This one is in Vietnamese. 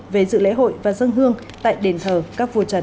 về dự lễ hội và dân hương tại đền thờ các vua trần